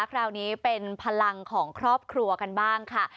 คราวนี้เป็นพลังของครอบครัวกันบ้างค่ะ